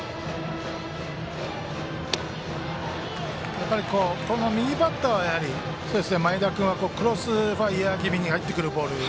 やっぱり右バッターは前田君はクロスファイアー気味に入ってくるボール。